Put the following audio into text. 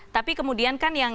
tapi kemudian kan yang